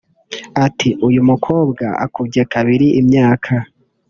ati “Uyu mukobwa ukubye kabiri imyaka